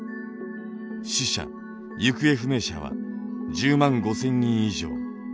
死者・行方不明者は１０万５，０００人以上。